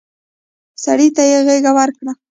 سړي ته يې غېږ ورکړه.